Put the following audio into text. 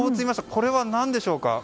これは何でしょうか。